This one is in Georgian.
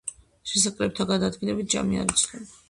შესაკრებთა გადაადგილებით ჯამი არ იცვლება.